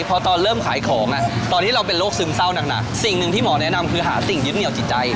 พอตอนเริ่มขายของตอนที่เราเป็นโรคซึมเศร้าหนักสิ่งหนึ่งที่หมอแนะนำคือหาสิ่งยึดเหนียวจิตใจ